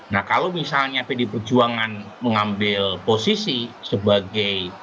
nah kalau misalnya pdi perjuangan mengambil posisi sebagai